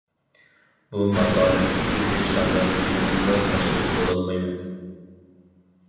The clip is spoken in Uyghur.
بۇ ماقالەم ئۈچۈن ھېچقانداق زىيىنىڭىزغا مەسئۇل بولالمايمەن.